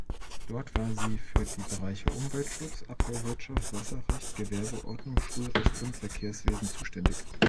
Dort war sie für die Bereiche Umweltschutz, Abfallwirtschaft, Wasserrecht, Gewerbeordnung, Schulrecht und Verkehrswesen zuständig.